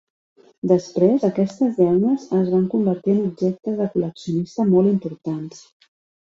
Després, aquestes llaunes es van convertir en objectes de col·leccionista molt importants.